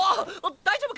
大丈夫か？